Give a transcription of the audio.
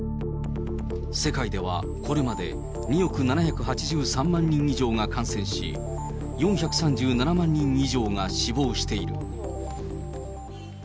世界ではこれまで、２億７８３万人以上が感染し、４３７万人以上が死亡している。